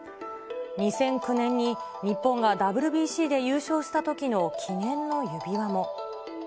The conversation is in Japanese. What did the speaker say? ２００９年に日本がＷＢＣで優勝したときの記念の指輪も。